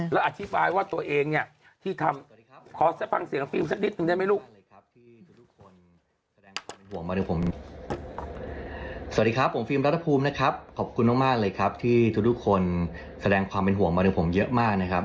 และอธิบายว่าตัวเองที่ทำ